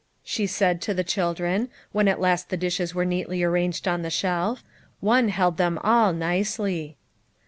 " she said to the children, when at last the dishes were neatly ar ranged on the shelf. One held them all, nicely.